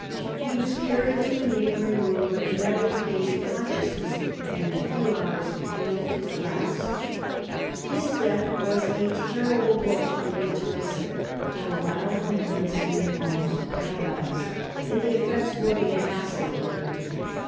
He was carried to a neighbouring *• 202 MARIA THERESA chap, ix room, but never recovered consciousness, and in a few hours breathed his last. His death was a terrible blow to Maria Theresa. For a while her mind seemed almost paralysed, and the effects were of a lasting character.